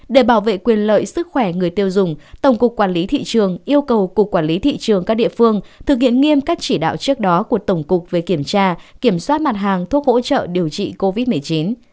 để bảo vệ quyền lợi sức khỏe người tiêu dùng tổng cục quản lý thị trường yêu cầu cục quản lý thị trường các địa phương thực hiện nghiêm các chỉ đạo trước đó của tổng cục về kiểm tra kiểm soát mặt hàng thuốc hỗ trợ điều trị covid một mươi chín